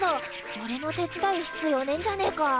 おれの手伝う必要ねえんじゃねえか？